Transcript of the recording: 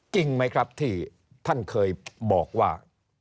จริงไหมครับที่ท่านเคยบอกว่า